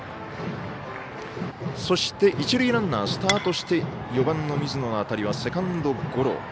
そして、一塁ランナースタートして４番の水野の当たりはセカンドゴロ。